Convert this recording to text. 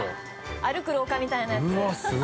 ◆歩く廊下みたいなやつ。